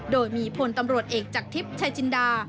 โดยมีพลตำรวจเอกจากทิพย์ชายจินดา